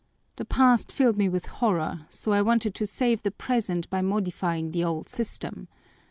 The past filled me with horror, so I wanted to save the present by modifying the old system.